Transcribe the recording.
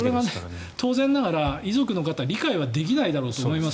それは当然ながら遺族の方理解はできないだろうと思います